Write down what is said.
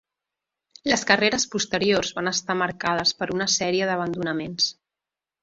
Les carreres posteriors van estar marcades per una sèrie d'abandonaments.